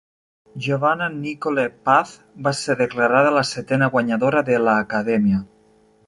Giovanna Nicole Paz va ser declarada la setena guanyadora de "La Academia".